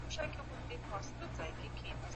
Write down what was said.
سياسي ډلو د ملي مسايلو په اړه خبرې اترې پيل کړې.